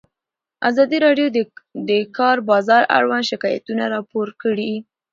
ازادي راډیو د د کار بازار اړوند شکایتونه راپور کړي.